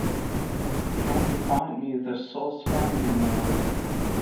Can you find me The Source Family novel?